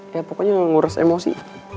ya pokoknya ngurus emosi